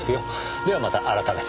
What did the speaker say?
ではまた改めて。